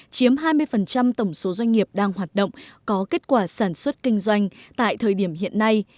chiếm hai mươi tổng số doanh nghiệp đang hoạt động có kết quả sản xuất kinh doanh tại thời điểm hiện nay